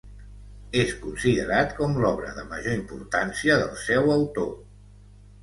És considerat com l'obra de major importància del seu autor.